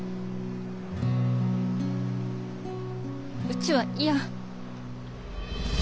うちは嫌。